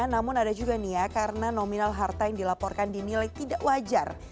namun ada juga nih ya karena nominal harta yang dilaporkan dinilai tidak wajar